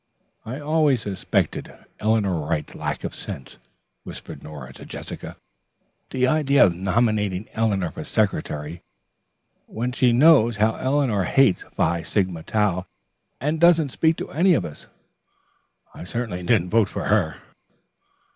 "I always suspected Edna Wright's lack of sense," whispered Nora to Jessica. "The idea of nominating Eleanor for secretary when she knows how Eleanor hates the Phi Sigma Tau, and doesn't speak to any of us. I certainly didn't vote for her."